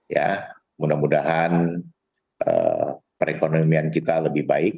ya mudah mudahan perekonomian kita lebih baik